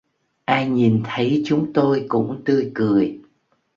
Ai nhìn thấy chúng tôi cũng tươi cười